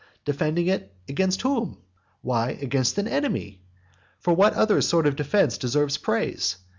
Defending it against whom? Why, against an enemy. For what other sort of defence deserves praise?